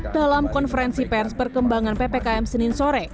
dalam konferensi pers perkembangan ppkm senin sore